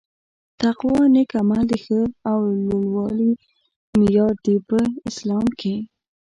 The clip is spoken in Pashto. تقوا نيک عمل د ښه او لووالي معیار دي په اسلام کي